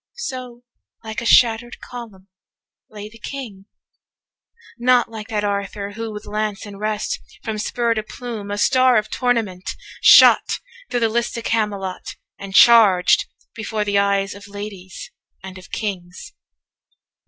220 So like a shatter'd column lay the King; Not like that Arthur who, with lance in rest, From spur to plume a star of tournament, Shot thro' the lists at Camelot, and charged Before the eyes of ladies and of kings.